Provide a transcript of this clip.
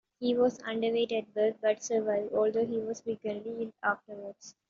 He was underweight at birth but survived, although he was frequently ill afterwards.